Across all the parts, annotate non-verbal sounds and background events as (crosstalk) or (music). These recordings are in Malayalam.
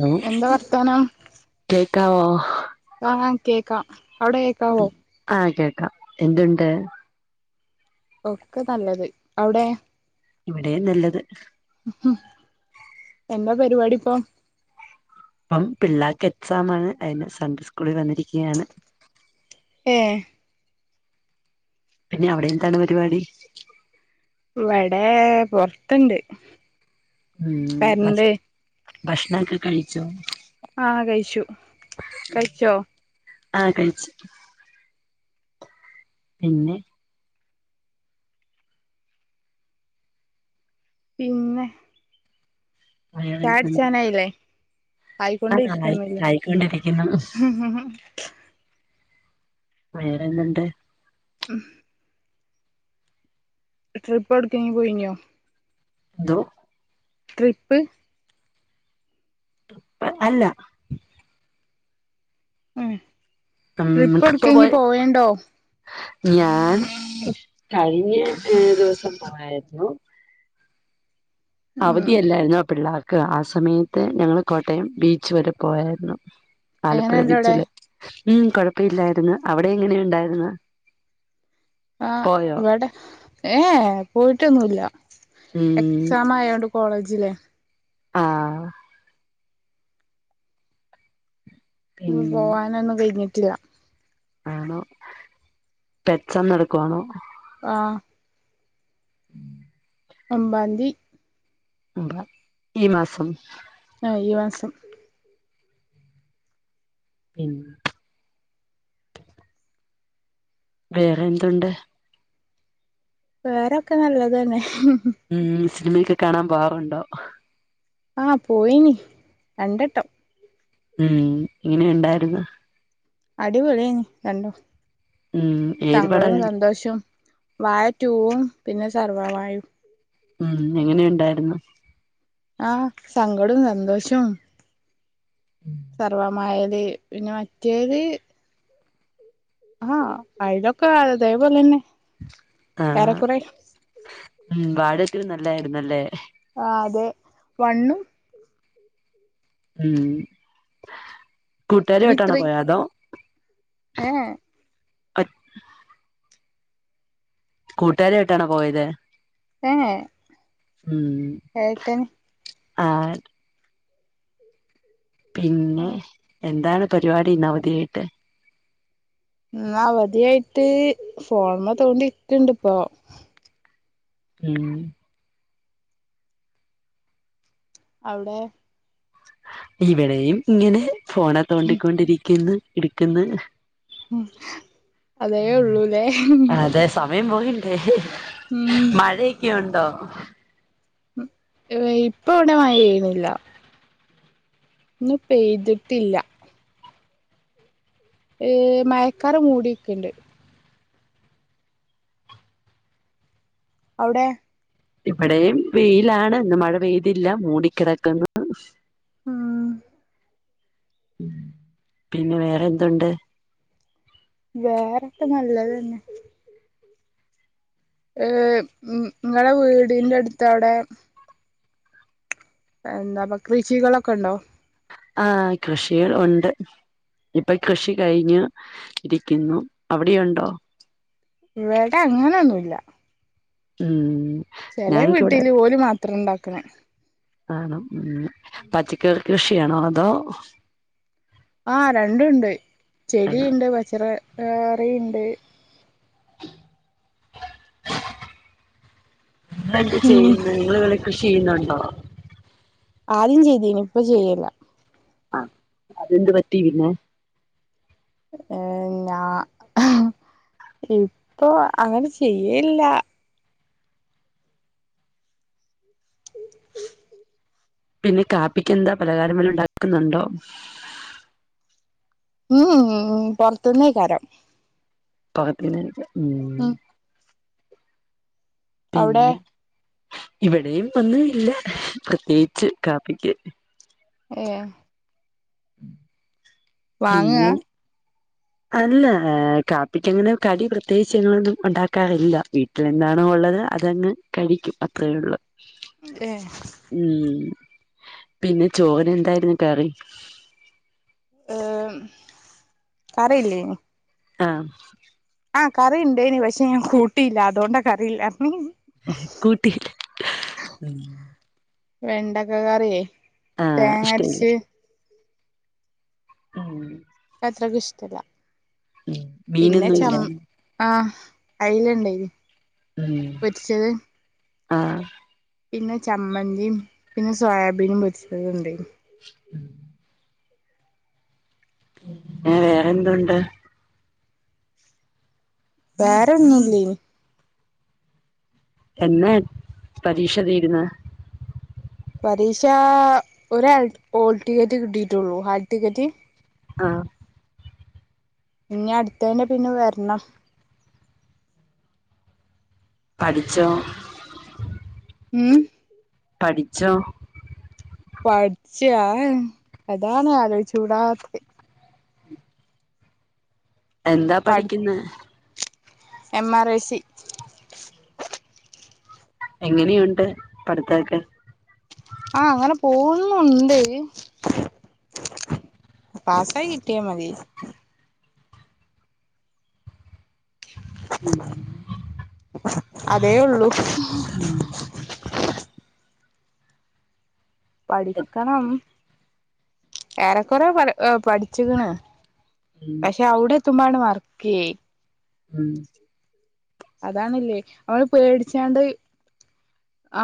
ഹലോ എന്താ വർത്താനം കേക്കാവോ? ആഹ് കേക്കാം അവ്ടേക്കാവോ? ആഹ് കേക്കാം എന്തുണ്ട്? ഒക്കെ നല്ലത് അവിടെ? ഇവ്ടേം നല്ലത്. ഹും ഹും എന്നാ പരിപാടിപ്പൊ? പ്പം പിള്ളാക്ക് എക്സാമാണ്. അയ്ന് സെൻട്ര സ്കൂളിൽ വന്നിരിക്ക്യാണ്. ഏ പിന്നെ അവിടെയെന്താണ് പരിപാടി? ഇവടെ പൊറത്ത്ണ്ട്. ഉം ഭഷ് ഭക്ഷ്ണാക്കെ കഴിച്ചോ? ആഹ് കയ്ച്ചു. കയ്ച്ചോ? ആഹ് കഴിച്ച്. പിന്നെ പിന്നെ വേറെന്തുണ്ട് ചായടിച്ചാനായില്ലേ? ആഹ് ആയി ആയിക്കൊണ്ടിരിക്ക്ണ്‌ലേ? ആയിക്കൊണ്ടിരിക്കുന്നു ഹ്ഹ്ഹ് വേറെന്ത്‌ണ്ട്? (unintelligible) ട്രിപ്പ് എവിടേക്കെയിം പോയിനിയൊ? ന്തോ ട്രിപ്പ്. അ അല്ല ഉം ട്രിപ്പ് എവ്ടെക്കെങ്കി പോയൊണ്ടോ? ഞാന് കഴിഞ്ഞ ഏ ദിവസം പോയാര്ന്ന്. ഉം അവധിയല്ലാരുന്നോ പിള്ളാർക്ക് ആ സമയത്ത് ഞങ്ങള് കോട്ടയം ബീച്ച് വരെ പോയാരുന്നു. ആലപ്പുഴ എങ്ങനെണ്ട് അവിടെ ബീച്ചില് ഉം കൊഴപ്പില്ലാര്ന്ന് അവിടെങ്ങനെയുണ്ടാര്ന്ന്? ആഹ്. വടെ ഏയെ, പോയിട്ടൊന്നുല്ല. ഉം ഉം. എക്സാം ആയോണ്ട് കോളേജിലെ ആഹ് ടൂർ പിന്നെ പോവാനൊന്നും കെഴിഞ്ഞിട്ടില്ല. ആണോ? പ്പൊ എക്സാം നടക്കുവാണോ? ആഹ്. (unintelligible) ഒമ്പാന്തി. (unintelligible) ഈ മാസം ആഹ്, ഈ മാസം പിന്നെ വേറെ എന്തുണ്ട്? വേറൊക്കെ നല്ലതന്നെ. ഉം. സിനിമയൊക്കെ കാണാൻ പോവാറുണ്ടോ? ആ പോയിനി, രണ്ടെട്ടം. ഉം. എങ്ങനെണ്ടായിരുന്നു? അടിപൊളിയേനി രണ്ടും. ഉം ഏത് പടാ (unintelligible) കണ്ടേ? സന്തോഷോം വാഴ റ്റൂവും പിന്നെ, സർവ്വം മായും. ഉം. എങ്ങനെണ്ടായിരുന്നു? ആഹ്, സങ്കടോം സന്തോഷോം (inaudible) സർവ്വം മായെല്. പിന്നെ, മറ്റേല് ആ, അയിലൊക്കെ അതേപോലെന്നെ. ആഹ്. ഏറെക്കുറെ ഉം, വാഴ റ്റു നല്ലായിരുന്നല്ലേ? ആ അതെ, വണ്ണും ഉം. കൂട്ടുകാരുയായിട്ടണോ പോയെ? അതോ ഏ യെ ഒ കൂട്ടാരായിട്ടാണോ പോയത്? ഏയെ ഉം, (inaudible) ആ ആ പിന്നെ, എന്താണ് പരിപാടി? ഇന്നവധിയായിട്ട്? ന്ന് അവധിയായിട്ട്, ഫോൺമ്മേ തോണ്ടിട്ട്ണ്ട് ഇപ്പൊ (unintelligible) അവ്ടെ? ഇവിടെയും ഇങ്ങനെ, ഫോണെ തോണ്ടിക്കൊണ്ടിരിക്കുന്ന്. ഇരിക്കുന്ന് (unintelligible) അതേ ഉള്ളൂല്ലേ? അതെ സമയം പോയില്ലേ? ഉം ഉം. മഴയൊക്കെയുണ്ടോ? (unintelligible) ഇപ്പൊ വിടെ മഴയ്യ്ണില്ല. ന്ന് പെയ്തിട്ടില്ല. ഏ.. മയക്കാറ് മൂടിക്ക്ണ്ട്. അവ്ടെ? ഇവിടെയും വെയിലാണ്. ഇന്ന് മഴ പെയ്തില്ല. മൂടിക്കിടക്കുന്നു. ആമ്മ് പിന്നെ, വേറെ എതുണ്ട്? വേറെക്കെ നല്ലതന്നെ. (unintelligible) ങ്ങളെ വീടിന്റെ അടുത്ത് അവിടെ എന്താപ്പ, കൃഷികളൊക്കെ ഉണ്ടോ? ആ, കൃഷികൾ ഉണ്ട്. ഇപ്പ കൃഷി കഴിഞ്ഞ് ഇരിക്കുന്നു അവിടെയുണ്ടോ? ഇവേടെ അങ്ങനെന്നുല്ല. ഉം ചെലെ വീട്ട്ല് ഓല് മാത്രംണ്ടാക്ക്ണെ. ആണോ ഉം പച്ചക്കറി കൃഷിയാണോ അതോ ആ രണ്ടുണ്ട് ചെടിണ്ട് പച്ചറ കറിണ്ട്. ഉം നിങ്ങളെന്താചെയ്യുന്നെ നിങ്ങള് വല്ലകൃഷി ചെയ്യുന്നുണ്ടോ? ആദ്യം ചെയ്തീനു ഇപ്പൊ ചെയ്യല്ല. ആ അതെന്ത് പറ്റി പിന്നെ? ഏ ഞാ ഹ് ഇപ്പൊ അങ്ങനെ ചെയ്യല്ല. പിന്നെ കാപ്പിക്ക് എന്താ പലഹാരം വല്ലോം ണ്ടാക്കുന്നുണ്ടോ? ഉം ഉം ഉം ഉം പൊർത്ത്ന്നേക്കാരം. (unintelligible) ഉം അവിടെ പിന്നെ ഇവിടെയും ഒന്നും ഇല്ല പ്രത്യേകിച്ച് കാപ്പിക്ക്. ഏ (inaudible) വാങ്ങ് ആ പിന്നെ അല്ല കാപ്പിക്ക് അങ്ങനെ കടി പ്രത്യേകിച്ച്ഞങ്ങളൊന്നും ഉണ്ടാക്കാറില്ല വീ ട്ടിലെന്താണോ ഉള്ളത് അതങ്ങ് കഴിക്കും അത്രേ ഉള്ള്. ഏഹ് ഉം പിന്നെ ചോര് എന്തായിരുന്നു കറി? ഏമ് കറില്ലേയ്ന്. ആഹ് ആ കറിയിണ്ടേയ്നി പക്ഷെ ഞാൻ കൂട്ടിയില്ല അതുകൊണ്ടാ കറിയില്ലാർഞ് ഹ് ഹ് (unintelligible) വെണ്ടക്ക കറിയേ ആഹ് ഇഷ്ടമില്ല തേങ്ങര്ച്ച്. ഉം ക്ക് അത്രക്ക് ഇഷ്ടല്ല ഉം പിന്നെ മീനൊന്നും ചം ഇല്ല ആഹ് അയില്ണ്ടായ് ന് ഉം, ആഹ് പിന്നെ ചമ്മന്തിം, പിന്നെ സോയാബീൻ, പൊരിച്ചതുണ്ടെയ്ന്. ഉം. എ വേറെന്തുണ്ട്‌? വേറെന്നൂല്യയ്ന്. എന്നെ പരീക്ഷ തീരുന്ന്? പരീക്ഷാ ഒര് ആൾ ഓൾ ടിക്കറ്റ് കിട്ടിയിട്ടുള്ളൂ ഹാൾ് ടിക്കറ്റ്. ആഹ് ഇനി അടുത്തതിന് പിന്നെ വരണം. പഠിച്ചോ? ഉം. പഠിച്ചോ? പഠിച്ചാ! അതാണ് ആലോചിച്ചൂടാത്ത്. എന്താ പഠി പഠിക്ക്ന്ന്? M R I C. എങ്ങനെയുണ്ട് പഠിത്തൊക്കെ? ആ അങ്ങനെ പോവുന്നുണ്ട്. പാസായി കിട്ട്യാ മതി. ഉം. അതേ ഒള്ളൂ. ഉം പഠിക്കണം ഏറെകൊറേ ഏ പഠിച്ക്ക്ണ്. ഉം പക്ഷെ അവിടെ എത്തുമ്പാണ്ട് മറക്കേയ്. ഉം അതാണ് ല്ലേ, അവള് പേടിച്ചാണ്ട്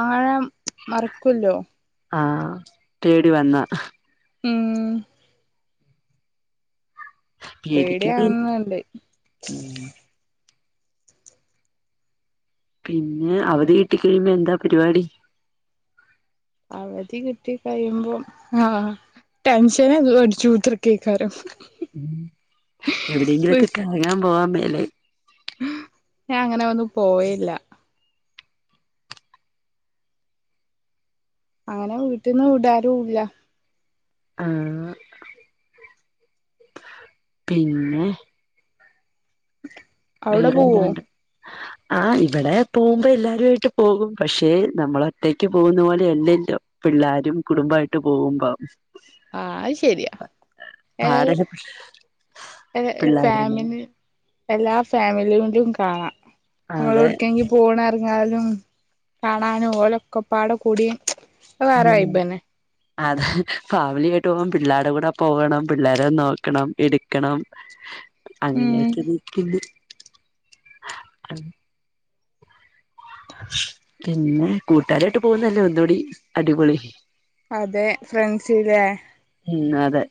ആഴം മറക്കുല്ലോ. ആ തേടി വന്ന ഉം പേടിക്കുന്നെ പേടിയാവ്ന്ന്ണ്ട്. ഉം പിന്നെ അവധി കിട്ടി കഴിയുമ്പോ എന്താ പരിപാടി? അവധി കിട്ടി കഴിയുമ്പോ ആ ടെൻഷന് അടിച്ചു കുത്തിർക്കേക്കാരം. ഉം, എവിടെങ്കിലൊക്കെ കറങ്ങാൻ പോവാൻ മേലെ ഞാൻ അങ്ങനെ ഒന്നും പോയില്ല. അങ്ങനെ വീട്ടിന്ന് വിടാരൂ ഇല്ല. ആ പിന്നെ കുറേ അവിടെ ഏതാണ്ട് (inaudible) ആ ഇവിടെ പോകുമ്പോ എല്ലാരും ആയിട്ട് പോകും. പക്ഷേ നമ്മള് ഒറ്റയ്ക്ക് പോവുന്ന പോലെ എല്ലെല്ലോ? പിള്ളാരും കുടുംമ്പായിട്ട് പോവുമ്പം. ആഹ് അഹ്ശെര്യാ ഏഹ് പാടല്ലേ ഏഹ് പിള്ളാരന്നെ ഫാമിലി എല്ലാ ഫാമിലിയിലും കാണാ അതെ അമ്മളെവിട്ക്കേങ്കും പോണ ന്നാലും കാണാനു ഓലൊക്കെപ്പാടെ കൂടി. വേറെ ഉം വൈബന്നെ അതെ ഫാമിലിയാട്ട് പോവുമ്പോ പിള്ളേരെ കൂടെ പോകണം. പിള്ളേരെ നോക്കണം, എടുക്കണം. (inaudible) ഉം അങ്ങനൊയൊക്കെ ഇതാ ഇരിക്ക്ന്ന്. അം പിന്നെ കൂട്ടാരായിട്ട് പോവുന്നല്ലേ ഒന്നൂടി അടിപൊളി. അതെ ഫ്രണ്ട്സിലേ? ഉം അതെ.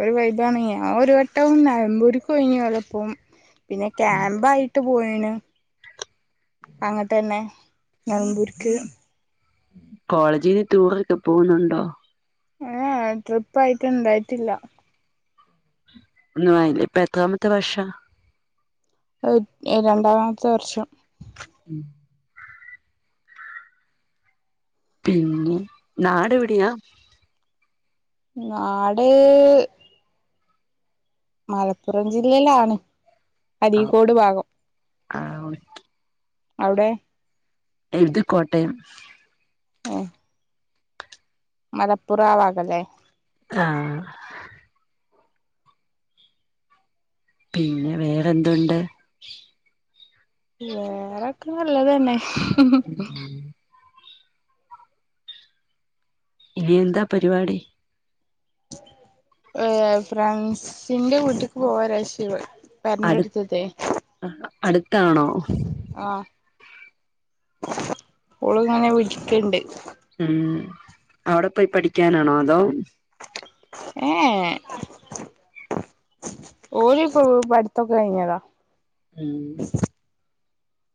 ഒരു വൈബാണ്യ്യ്. ഞാ ഒരു വട്ടം നെലമ്പൂരിക്ക് പോയിനി ഓലപ്പം. പിന്നെ ക്യാമ്പായിട്ടും പോയിണ് അങ്ങട്ടന്നെ നിലമ്പൂര്ക്ക്. കോളേജിന് ടൂറൊക്കെ പോന്നുണ്ടോ? ഏ ട്രിപ്പ ആയിട്ട് ഇണ്ടായിട്ടില്ല. ഒന്നും ആയില്ല ഇപ്പ എത്രാമത്തെ വർഷാ? (unintelligible) ഈ രണ്ടാമത്തെ വർഷം. ഉം പിന്നെ നാടെവിടെയാ? നാട് മലപ്പുറം ജില്ലയിലാണ് അരീക്കോട് ഭാഗം. ആഹ് അവിടെ എഴുതിക്കോട്ടയം. അയെ മലപ്പുറാവാകല്ലെ? ആഹ് പിന്നെ വേറെന്തുണ്ട്? വേറൊക്കെ നല്ലതന്നെ. ഇനി എന്താ പരിപാടി? ഏ ഫ്രണ്ട്സിന്റെ വീട്ട്ക്ക് (unintelligible) അടു പേരെന്റെയടുത്തില്ലേ അടുത്താണോ? ആഹാ ഓള് ഇങ്ങനെ വിളിക്കണ്ട്. ഉം അവിടെ പോയി പഠിക്കാനാണോ അതോ? ഏ ഏ ഓല് പഠിത്തൊക്കെ കഴിഞ്ഞതാ. ഉം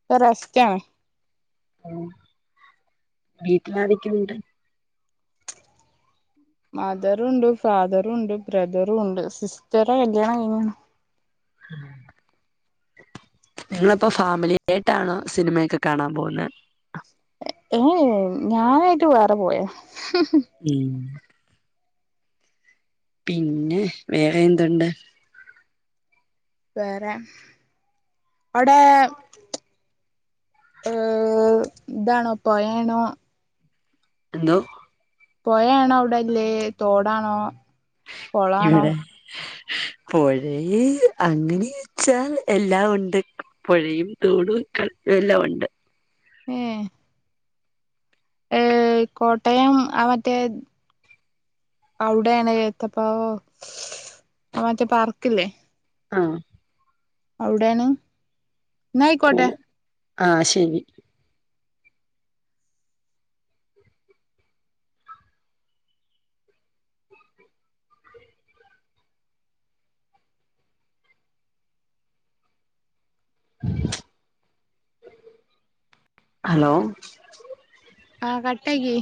ഇപ്പ റെസ്റ്റാണ്. ഉം വീട്ടിലാരെക്കെണ്ട് മദറുണ്ട് ഫാദറുണ്ട് ബ്രദറുണ്ട് സിസ്റ്ററെ കല്യാണം കഴിഞ്ഞ. ഉം ഇങ്ങള്പ്പോ ഫാമിലിയായിട്ടാണോ സിനിമയൊക്കെ കാണാൻ പോവുന്നെ. എ ഏ ഞാനായിട്ട് വേറെ പോയാ. ഉം പിന്നെ വേറെ എന്തുണ്ട് വേറെ അവ്ടെ ഏ ഇതാണോ പൊയേണോ എന്തോ പോയേണോ അവ്ടെല്ലേ തോടാണോ കൊളാണോ എവിടെ. പുഴേ അങ്ങനെ ച്ചാല് എല്ലാം ഉണ്ട് പുഴയും തോടും ക്കെ എല്ലാം ഉണ്ട്. ഏഹ് ഏഹ് കോട്ടയം ആ മറ്റേ അവിടെയാണ് എത്തപ്പ ആഹ് മറ്റേ പാർക്കില്ലേ? ആഹ് അവ്ടെണ്. (unintelligible) ആഹ് ശെരി. ഹലോ ആഹ് കട്ടക്കി